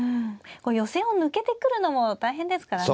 予選を抜けてくるのも大変ですからね。